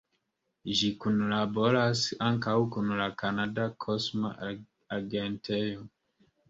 Ĝi kunlaboras ankaŭ kun la Kanada Kosma Agentejo.